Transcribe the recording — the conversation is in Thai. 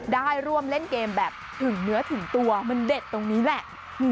ได้ร่วมเล่นเกมแบบถึงเนื้อถึงตัวมันเด็ดตรงนี้แหละ